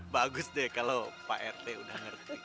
bagus deh kalau pak rt udah ngerti